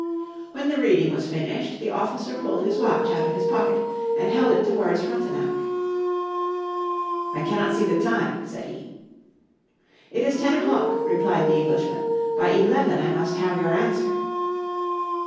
When the reading was finished the officer pulled his watch out of his pocket, and held it towards Frontenac. "I cannot see the time," said he. "It is ten o'clock," replied the Englishman. "By eleven I must have your answer."